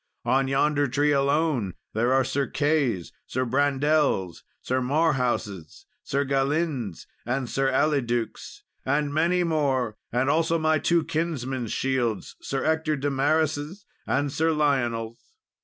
On yonder tree alone there are Sir Key's, Sir Brandel's, Sir Marhaus', Sir Galind's, and Sir Aliduke's, and many more; and also my two kinsmen's shields, Sir Ector de Maris' and Sir Lionel's.